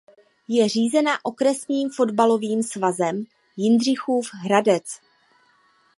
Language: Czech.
Je řízena Okresním fotbalovým svazem Jindřichův Hradec.